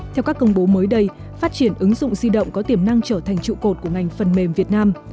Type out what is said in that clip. theo các công bố mới đây phát triển ứng dụng di động có tiềm năng trở thành trụ cột của ngành phần mềm việt nam